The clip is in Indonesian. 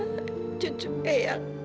kamu satu satunya cucu eyang